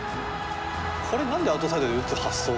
これ何でアウトサイドで打つ発想が。